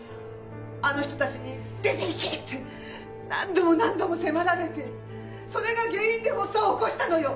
あの人たちに出て行けって何度も何度も迫られてそれが原因で発作を起こしたのよ！